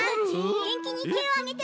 げんきにてをあげて！